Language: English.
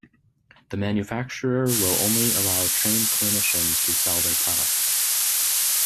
The manufacturer will only allow trained clinicians to sell their products.